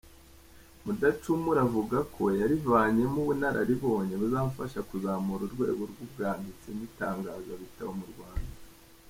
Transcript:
Mudacumura avuga ko yarivanyemo ubunararibonye buzafasha kuzamura urwego rw’ubwanditse n’itangazabitabo mu Rwanda.